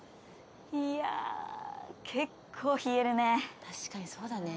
いや結構冷えるね。